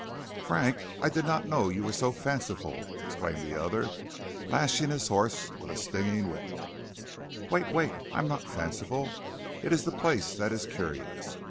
"Frank, I did not know you were so fanciful," exclaimed the other, lashing his horse with a stinging whip. "Wait, wait! I am not fanciful, it is the place that is curious.